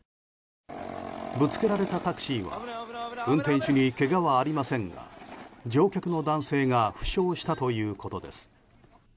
ぶつけられたタクシーは運転手にけがはありませんが乗客の男性が負傷したということです。